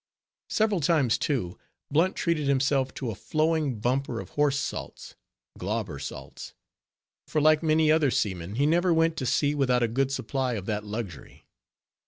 Several times, too, Blunt treated himself to a flowing bumper of horse salts (Glauber salts); for like many other seamen, he never went to sea without a good supply of that luxury.